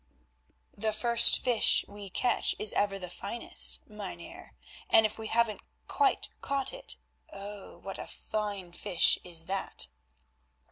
"The first fish we catch is ever the finest, Mynheer, and if we haven't quite caught it, oh! what a fine fish is that."